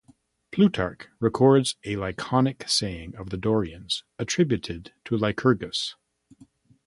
Plutarch records a laconic saying of the Dorians attributed to Lycurgus.